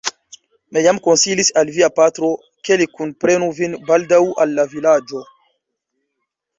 Mi jam konsilis al via patro, ke li kunprenu vin baldaŭ al la Vilaĝo.